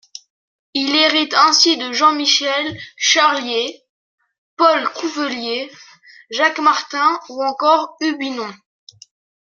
Il hérite ainsi de Jean-Michel Charlier, Paul Cuvelier, Jacques Martin ou encore Hubinon.